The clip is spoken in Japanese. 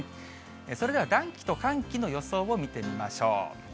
それでは、暖気と寒気の予想を見てみましょう。